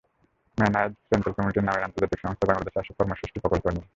Mennonite central committee নামের আন্তর্জাতিক সংস্থা বাংলাদেশে আসে কর্ম সৃষ্টি প্রকল্প নিয়ে।